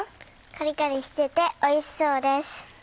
カリカリしてておいしそうです。